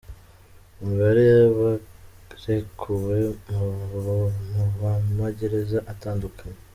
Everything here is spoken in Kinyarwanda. Imibare y’abarekuwe mu ma gereza atandukanye: